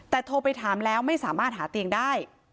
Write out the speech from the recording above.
แต่โทรไปถามแล้วไม่สามารถหาเตียงได้